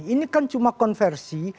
ini kan cuma konversi